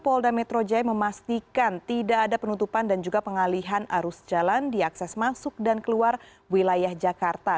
polda metro jaya memastikan tidak ada penutupan dan juga pengalihan arus jalan di akses masuk dan keluar wilayah jakarta